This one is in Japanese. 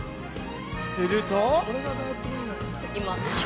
すると。